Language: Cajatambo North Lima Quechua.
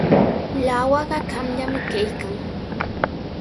Lawaqa qamyami kaykan.